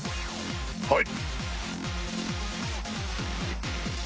はい！